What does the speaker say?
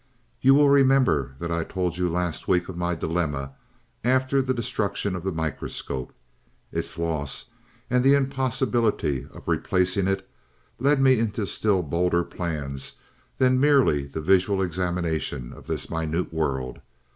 "You will remember that I told you last week of my dilemma after the destruction of the microscope. Its loss and the impossibility of replacing it, led me into still bolder plans than merely the visual examination of this minute world.